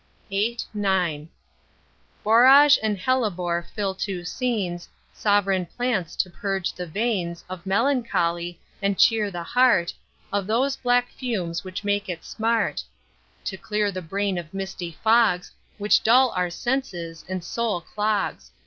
VIII, IX. Borage and Hellebor fill two scenes, Sovereign plants to purge the veins Of melancholy, and cheer the heart, Of those black fumes which make it smart; To clear the brain of misty fogs, Which dull our senses, and Soul clogs.